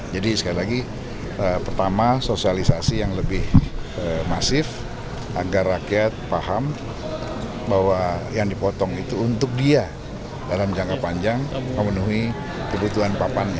jadi sekali lagi pertama sosialisasi yang lebih masif agar rakyat paham bahwa yang dipotong itu untuk dia dalam jangka panjang memenuhi kebutuhan papannya